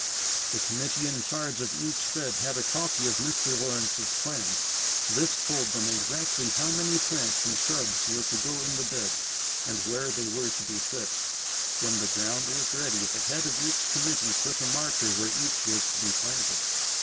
The committee in charge of each bed had a copy of Mr. Lawrence's plan. This told them exactly how many plants and shrubs were to go in the bed and where they were to be set. When the ground was ready the head of each committee put a marker where each was to be planted.